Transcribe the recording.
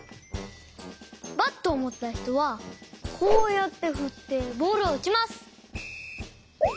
バットをもったひとはこうやってふってボールをうちます。